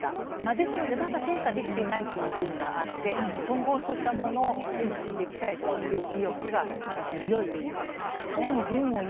ですのでまだ転嫁できていない部分があって、今後そういった部分を転嫁したいという意欲がまだ強いということなんです。